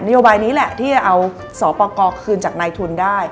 โยบายนี้แหละที่จะเอาสอปกรคืนจากนายทุนได้